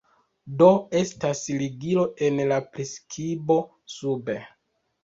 Do, estas ligilo en la priskibo sube